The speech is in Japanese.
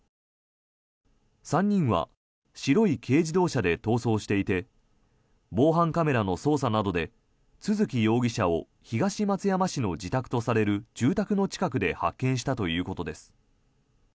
３人は白い軽自動車で逃走していて防犯カメラの捜査などで都築容疑者を東松山市の自宅とされる住宅の近くで発見したということです。